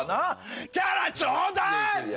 キャラちょうだい！